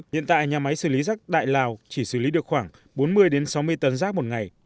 hiện tại nhà máy xử lý rác đại lào chỉ xử lý được khoảng bốn mươi sáu mươi tấn rác một ngày